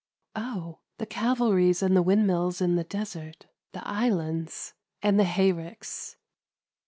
Oh ! The Calvaries and the wind mills in the desert, the islands and the hay ricks.